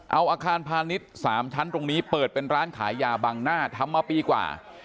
เอาอาคารพาณิชย์๓ชั้นตรงนี้เปิดเป็นร้านขายยาบังหน้าทำมาปีกว่า